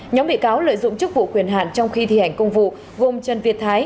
nhóm bị cáo lợi dụng chức vụ quyền hạn trong khi thi hành công vụ gồm trần việt thái